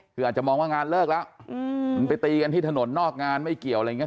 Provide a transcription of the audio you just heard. คืออาจจะมองว่างานเลิกแล้วมันไปตีกันที่ถนนนอกงานไม่เกี่ยวอะไรอย่างนี้